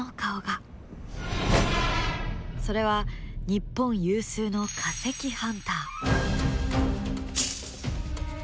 それは日本有数の化石ハンター。